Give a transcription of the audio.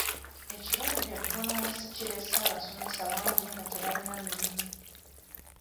Ekirwadde bbunansi kirese abasomesa bangi nga tebalina mirimu.